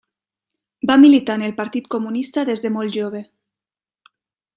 Va militar en el Partit Comunista des de molt jove.